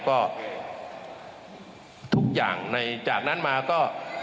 ก็ทุกอย่างในจากนั้นมาก็